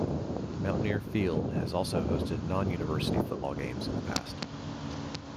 Mountaineer Field has also hosted non-university football games in the past.